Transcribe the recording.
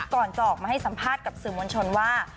ก่อนจะออกมาให้สัมภาษณ์กับสื่อมวลชนว่า